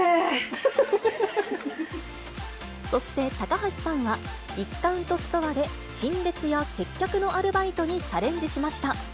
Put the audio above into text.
そして高橋さんは、ディスカウントストアで陳列や接客のアルバイトにチャレンジしました。